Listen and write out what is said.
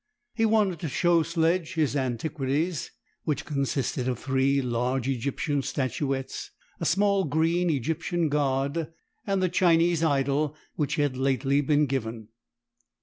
He wanted to show Sledge his antiquities, which consisted of three large Egyptian statuettes, a small green Egyptian god, and the Chinese idol which he had lately been given.